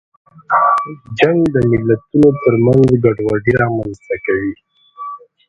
جنګ د ملتونو ترمنځ ګډوډي رامنځته کوي.